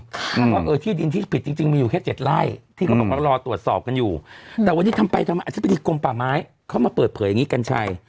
เพราะว่าเออที่ดินที่ผิดจริงมีอยู่แค่เจ็ดไร่ที่เขาบอกว่ารอตรวจสอบกันอยู่แต่วันนี้ทำไปทำมาอธิบดีกรมป่าไม้เขามาเปิดเผยอย่างนี้กัญชัย